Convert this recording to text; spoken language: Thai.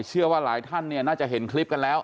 เชื่อว่าหลายท่านเนี่ยน่าจะเห็นคลิปกันแล้ว